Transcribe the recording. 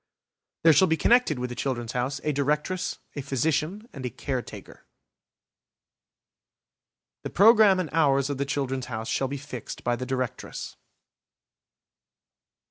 There shall be connected with the "Children's House" a Directress, a Physician, and a Caretaker. The programme and hours of the "Children's House" shall be fixed by the Directress.